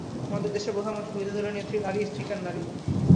আমাদের দেশের প্রধানমন্ত্রী, বিরোধী দলের নেত্রী নারী, স্পিকার নারী।